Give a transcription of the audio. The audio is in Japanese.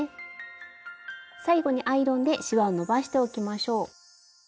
最後にアイロンでしわをのばしておきましょう。